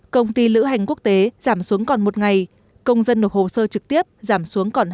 công ty lữ hành quốc tế giảm xuống còn một ngày công dân nộp hồ sơ trực tiếp giảm xuống còn hai mươi